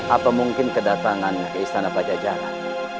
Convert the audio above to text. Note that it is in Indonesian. atau mungkin kedatangan ke istana pajajaran